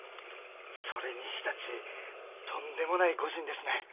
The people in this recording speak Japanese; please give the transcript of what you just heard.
それにしたちとんでもない御仁ですね。